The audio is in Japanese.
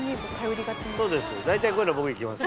そうです大体こういうの僕行きます。